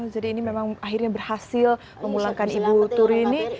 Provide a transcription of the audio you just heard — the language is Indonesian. jadi ini memang akhirnya berhasil memulakan ibu turi ini